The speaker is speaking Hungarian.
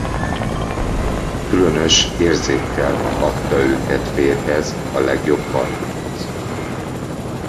Különös érzékkel adta őket férjhez a legjobb partikhoz.